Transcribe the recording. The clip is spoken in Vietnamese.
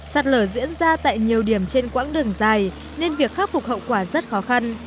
sạt lở diễn ra tại nhiều điểm trên quãng đường dài nên việc khắc phục hậu quả rất khó khăn